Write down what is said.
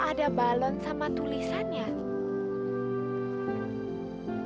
ada balon sama tulisannya